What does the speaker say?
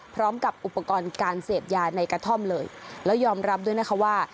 พร้อมกับอุปกรณ์การเสพยาในกระท่อมเลยแล้วยอมรับด้วยนะคะว่า